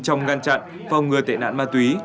trong ngăn chặn phòng ngừa tệ nạn ma túy